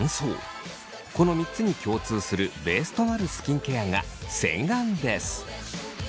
この３つに共通するベースとなるスキンケアが洗顔です。